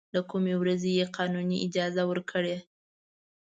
له کومې ورځې یې قانوني اجازه ورکړې.